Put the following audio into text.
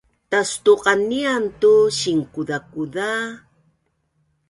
Tastuqanian tu sinkuzakuza